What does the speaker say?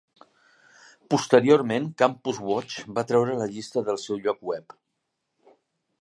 Posteriorment, Campus Watch va treure la llista del seu lloc web.